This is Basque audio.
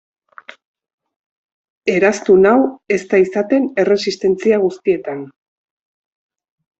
Eraztun hau ez da izaten erresistentzia guztietan.